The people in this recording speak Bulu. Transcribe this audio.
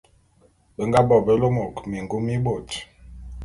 Be nga bo be lômôk mingum mi bôt.